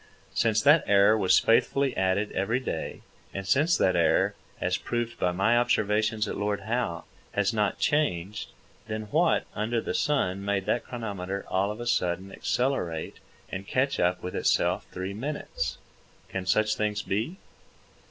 Since that error was faithfully added every day, and since that error, as proved by my observations at Lord Howe, has not changed, then what under the sun made that chronometer all of a sudden accelerate and catch up with itself three minutes? Can such things be?